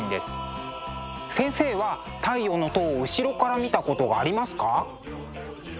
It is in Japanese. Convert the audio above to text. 先生は「太陽の塔」を後ろから見たことはありますか？